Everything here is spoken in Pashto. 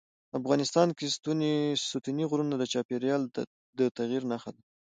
افغانستان کې ستوني غرونه د چاپېریال د تغیر نښه ده.